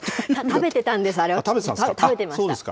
食べてたんです、あれは、食べてました。